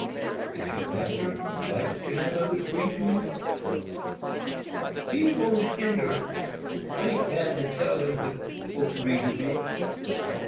"Does your master like to have others read to you?" "He won't hinder—I an't bound tell him when folks reads to me.